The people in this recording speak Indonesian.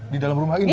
di dalam rumah ini